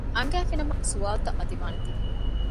އަންގައިފި ނަމަ ސުވާލުތައް މަތިވާނޭތީ